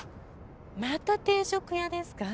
また定食屋ですか？